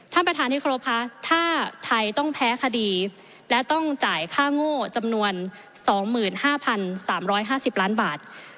ท่านประธานที่ครบค่ะถ้าไทยต้องแพ้คดีและต้องจ่ายค่าโง่จำนวนสองหมื่นห้าพันสามร้อยห้าสิบล้านบาท